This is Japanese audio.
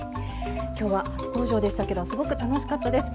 今日は初登場でしたけどすごく楽しかったです。